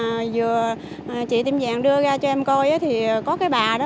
mà vừa chị tiêm vàng đưa ra cho em coi thì có cái bà đó